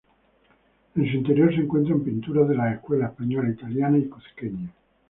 En su interior se encuentran pinturas de las escuelas: española, italiana y cuzqueña.